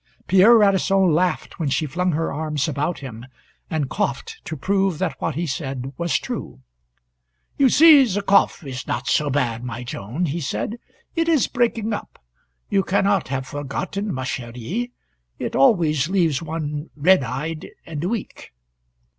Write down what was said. Pierre Radisson laughed when she flung her arms about him, and coughed to prove that what he said was true. "You see the cough is not so bad, my Joan," he said. "It is breaking up. You can not have forgotten, ma cheri? It always leaves one red eyed and weak."